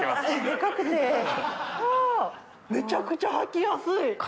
めちゃくちゃ履きやすい！